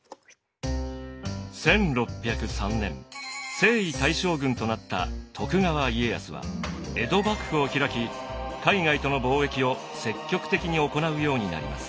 １６０３年征夷大将軍となった徳川家康は江戸幕府を開き海外との貿易を積極的に行うようになります。